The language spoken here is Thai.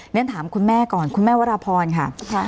เรียนถามคุณแม่ก่อนคุณแม่วรพรค่ะ